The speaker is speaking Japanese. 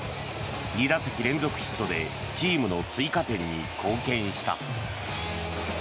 ２打席連続ヒットでチームの追加点に貢献した。